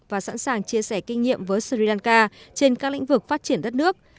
và sẵn sàng chia sẻ kinh nghiệm với sri lanka trên các lĩnh vực phát triển đất nước